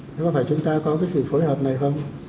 thế có phải chúng ta có cái sự phối hợp này không